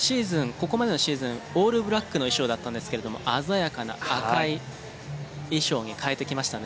ここまでのシーズンオールブラックの衣装だったんですけれども鮮やかな赤い衣装に替えてきましたね。